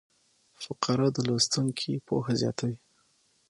فقره د لوستونکي پوهه زیاتوي.